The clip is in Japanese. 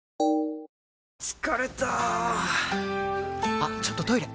あっちょっとトイレ！